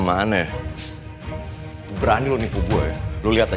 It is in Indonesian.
mama punya rencana